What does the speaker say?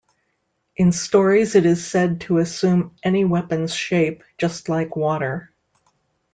In stories it is said to assume any weapon's shape, just like water.